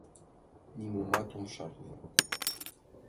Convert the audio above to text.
Нимомат ом шарне.